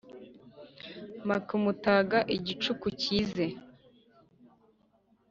mpake umutaga igicuku kize